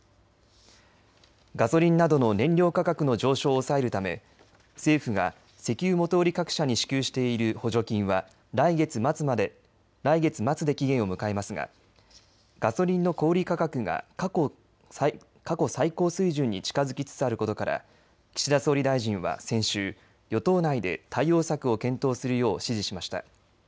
ガソリンなどの燃料価格の上昇を抑えるため政府が石油元売各社に支給している補助金は来月末で期限を迎えますがガソリンの小売価格が過去最高水準に近づきつつあることから岸田総理大臣は先週、与党内で対応策を検討するよう指示しました。